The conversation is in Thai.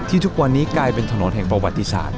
ทุกวันนี้กลายเป็นถนนแห่งประวัติศาสตร์